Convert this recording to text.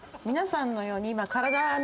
皆さんのように今。